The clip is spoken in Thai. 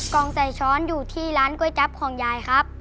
องใจช้อนอยู่ที่ร้านก๋วยจับของยายครับ